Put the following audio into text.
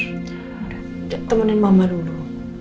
udah temenin mama dulu